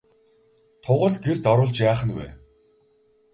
Тугал гэрт оруулж яах нь вэ?